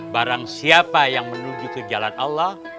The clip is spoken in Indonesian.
barang siapa yang menuju ke jalan allah